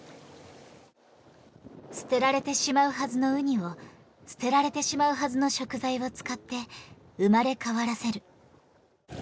捨てられてしまうはずのウニを捨てられてしまうはずの食材を使って生まれ変わらせる。